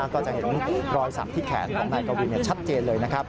ก็จะเห็นรอยสักที่แขนของนายกวินชัดเจนเลยนะครับ